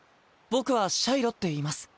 僕はシャイロっていいます。